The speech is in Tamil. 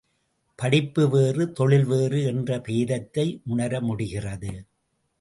படிப்பு வேறு தொழில் வேறு என்ற பேதத்தை உணரமுடிகிறது.